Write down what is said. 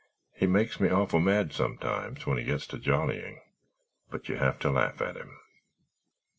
He makes me awful mad sometimes—when he gets to jollying—but you have to laugh at him."